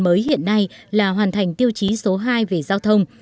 mới hiện nay là hoàn thành tiêu chí số hai về giao thông